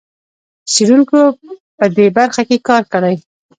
څېړونکو په دې برخه کې کار کړی.